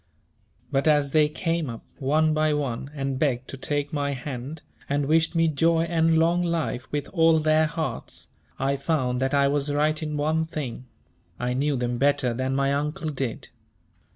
But as they came up, one by one, and begged to take my hand, and wished me joy and long life with all their hearts, I found that I was right in one thing; I knew them better than my Uncle did.